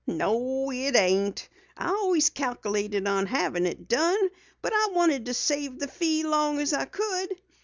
"No, it ain't. I always calculated on havin' it done, but I wanted to save the fee long as I could.